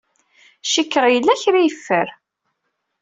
Cikkeɣ yella kra ay yeffer.